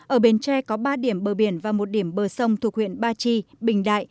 ở bến tre có ba điểm bờ biển và một điểm bờ sông thuộc huyện ba chi bình đại